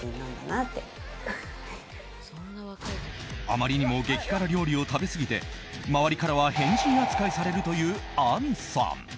あまりにも激辛料理を食べすぎて周りからは変人扱いされるという亜美さん。